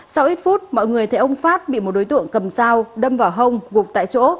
sau ít phút mọi người thấy ông phát bị một đối tượng cầm dao đâm vào hông gục tại chỗ